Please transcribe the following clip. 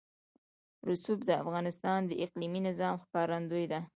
رسوب د افغانستان د اقلیمي نظام ښکارندوی ده.